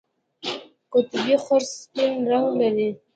قطبي خرس سپین رنګ لري